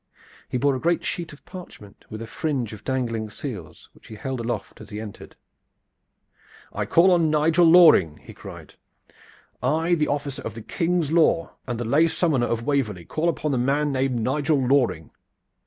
He bore a great sheet of parchment with a fringe of dangling seals, which he held aloft as he entered. "I call on Nigel Loring!" he cried. "I, the officer of the King's law and the lay summoner of Waverley, call upon the man named Nigel Loring!"